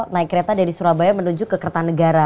naik kereta dari surabaya menuju ke kertanegara